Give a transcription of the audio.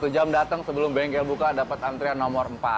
satu jam datang sebelum bengkel buka dapat antrian nomor empat